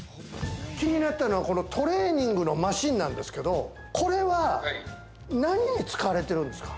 気になったのは、このトレーニングのマシンなんですけれども、これは何に使われてるんですか？